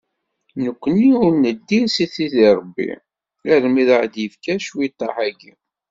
Nekkni ur neddir deg Sidi Rebbi almi i aɣ-d-yefka cwiṭeḥ-agi.